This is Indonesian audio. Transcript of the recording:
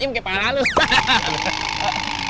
ini kayak panah halus